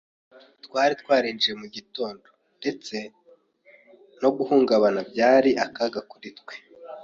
twari twarinjiye mu gitondo. Ndetse no guhungabana byari akaga kuri twe